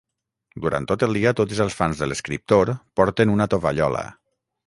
Durant tot el dia, tots els fans de l'escriptor, porten una tovallola.